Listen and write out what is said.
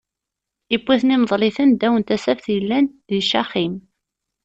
Iwwi-ten imeḍl-iten ddaw n tasaft yellan di Caxim.